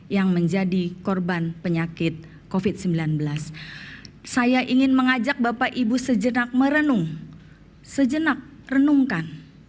yang menjadi korban penyakit covid sembilan belas saya ingin mengajak bapak ibu sejenak merenung sejenak renungkan